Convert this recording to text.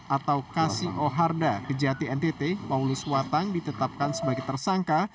atau kasih oharda kejati ntt paulus watang ditetapkan sebagai tersangka